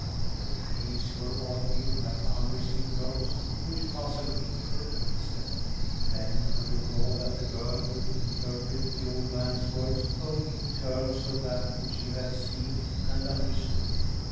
The trees were oddly like undersea growths, which puzzled me for an instant. Then I recalled that the girl could interpret the old man's words only in terms of that which she had seen and understood.